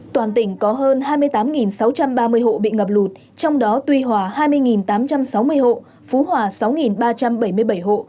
toàn tỉnh có hơn hai mươi tám sáu trăm ba mươi hộ bị ngập lụt trong đó tuy hòa hai mươi tám trăm sáu mươi hộ phú hòa sáu ba trăm bảy mươi bảy hộ